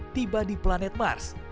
tiba di planet mars